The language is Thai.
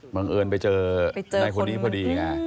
บังเอิญไปเจอในคนนี้พอดี